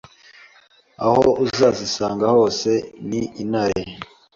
aho uzazisanga hose ni intare